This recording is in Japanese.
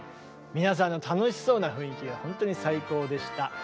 皆さんの楽しそうな雰囲気はほんとに最高でした。